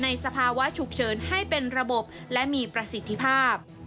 สภาวะฉุกเฉินให้เป็นระบบและมีประสิทธิภาพ